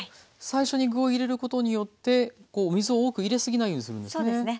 最初に具を入れることによってこう水を多く入れすぎないようにするんですね。